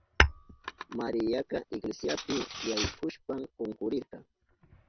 Mariaka iglesiapi yaykushpan kunkurirka.